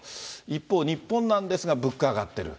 一方、日本なんですが、物価上がってる。